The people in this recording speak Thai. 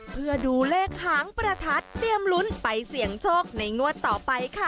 เพื่อดูเลขหางประทัดเตรียมลุ้นไปเสี่ยงโชคในงวดต่อไปค่ะ